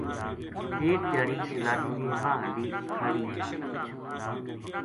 ایک دھیاڑی شہزادی نے واہ ہنڈی اُکھاڑی